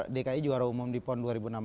dki juara umum di pon dua ribu enam belas